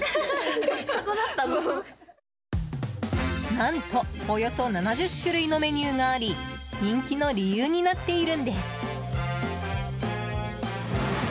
何と、およそ７０種類のメニューがあり人気の理由になっているんです。